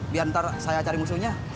biar ntar saya cari musuhnya